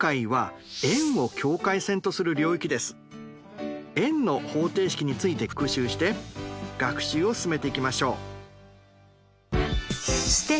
今回は円の方程式について復習して学習を進めていきましょう。